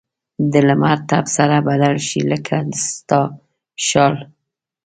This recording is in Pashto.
د لمر تپ سره بدل شي؛ لکه د ستا شال.